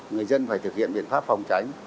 người dân phải thực hiện biện pháp phòng tránh